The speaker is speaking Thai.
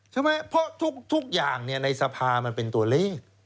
ใช่ไหมเพราะทุกอย่างในสภามันเป็นตัวเลข